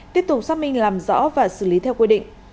tiếp tục xác minh làm rõ và xử lý theo quy định